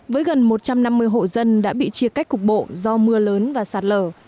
với gần một trăm năm mươi hộ dân đã bị chia cắt cục bộ do mưa lớn và sạt lở